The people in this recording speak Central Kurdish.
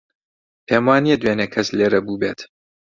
پێم وانییە دوێنێ کەس لێرە بووبێت.